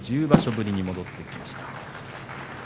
１０場所ぶりに戻ってきました。